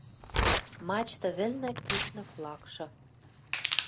Мачта вӹлнӹ кӱшнӹ флагшы